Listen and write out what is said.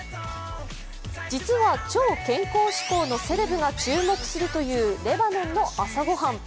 実は超健康志向のセレブが注目するというレバノンの朝ご飯。